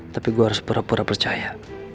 tapi gue harus pura pura percaya